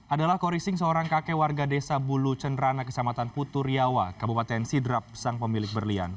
adalah khori sing seorang kakek warga desa bulu cenrana kecamatan putu riawa kabupaten sidrap sang pemilik berlian